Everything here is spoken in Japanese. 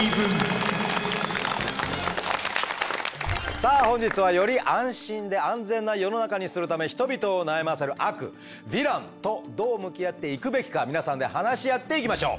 さあ本日はより安心で安全な世の中にするため人々を悩ませる悪ヴィランとどう向き合っていくべきか皆さんで話し合っていきましょう。